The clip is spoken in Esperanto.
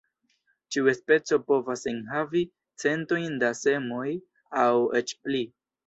Ĉiu speco povas enhavi centojn da semoj aŭ eĉ pli.